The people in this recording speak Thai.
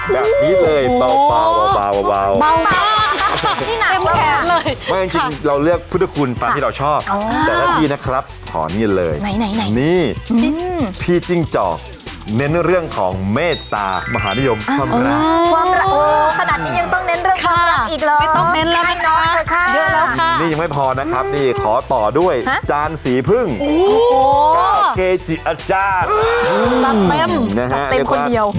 เก่มากค่ะเป็นอย่างนี้นะฮะอันนี้แบบนี้เลย